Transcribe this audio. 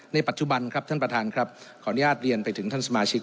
ปัจจุบันครับท่านประธานครับขออนุญาตเรียนไปถึงท่านสมาชิก